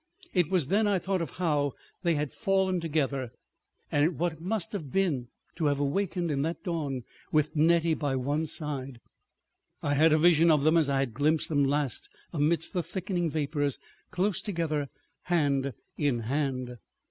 It was then I thought of how they had fallen together, and what it must have been to have awakened in that dawn with Nettie by one's side. I had a vision of them as I had glimpsed them last amidst the thickening vapors, close together, hand in hand.